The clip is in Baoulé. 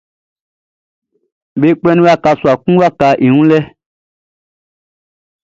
Be kplannin waka sua kun wakaʼn i wun lɛ.